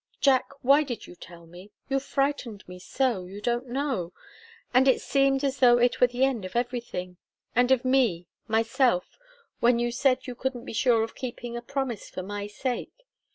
Jack, why did you tell me? You frightened me so you don't know! And it seemed as though it were the end of everything, and of me, myself, when you said you couldn't be sure of keeping a promise for my sake.